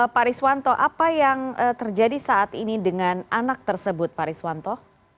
pak riswanto apa yang terjadi saat ini dengan anak tersebut pak riswanto